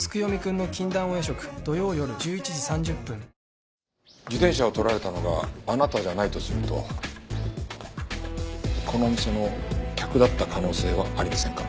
「ポリデント」自転車を盗られたのがあなたじゃないとするとこのお店の客だった可能性はありませんか？